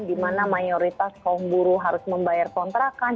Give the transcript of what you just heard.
di mana mayoritas kaum buruh harus membayar kontrakan